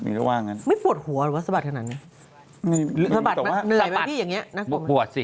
ไม่ปวดหัวเหรอว่าสะบัดขนาดนี้